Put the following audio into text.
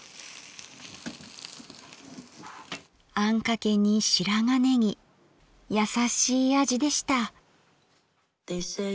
あんかけに白髪ねぎ優しい味でした。